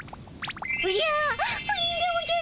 おじゃプリンでおじゃる。